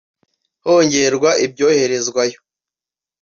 hongerwa ibyoherezwayo